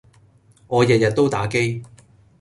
我日日都打機